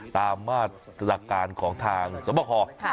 ตามมาตรการของทางสมคศ